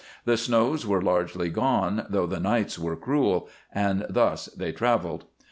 The snows were largely gone, though the nights were cruel, and thus they traveled.